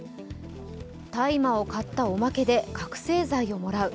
大麻を買ったおまけで覚醒剤をもらう。